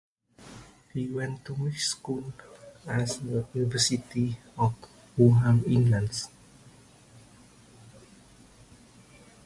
He went to Achimota School and the University of Durham in England.